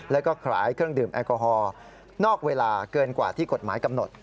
แล้วก็ขายเครื่องดื่มแอลกอฮอล์นอกเวลาเกินกว่าที่กฎหมายกำหนด